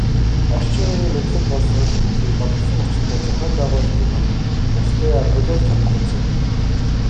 Орчин үеийн мэдлэг боловсрол бүхий боловсон хүчинтэй, зохион байгуулалтын хувьд бусдыгаа төлөөлж чадахуйц юм.